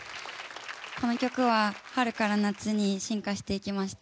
この曲は春から夏に進化していきました。